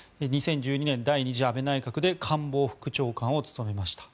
２０１２年、第２次安倍内閣で官房副長官を務めました。